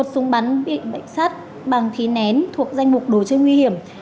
một súng bắn bị bệnh sát bằng khí nén thuộc danh mục đối chơi nguy hiểm